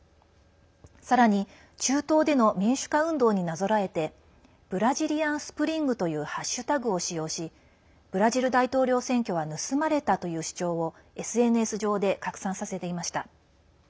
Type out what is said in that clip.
さらに中東での民主化運動になぞらえて「＃ＢｒａｚｉｌｉａｎＳｐｒｉｎｇ」というハッシュタグを使用しブラジル大統領選挙は盗まれたという主張をＳＮＳ上で拡散させていました。